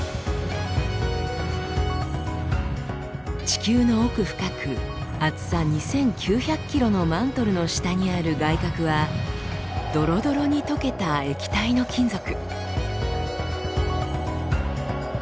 地球の奥深く厚さ２，９００ｋｍのマントルの下にある外核はどろどろに溶けた液体の金属。